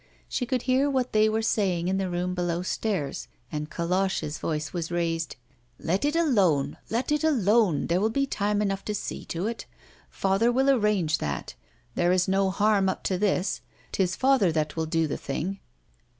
She could hear what they were saying in the room below stairs, and Colosse's voice was raised: "Let it alone! let it alone! There will be time enough to see to it. Father will arrange that. There is no harm up to this. 'Tis father that will do the thing."